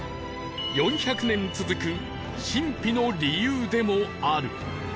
４００年続く神秘の理由でもある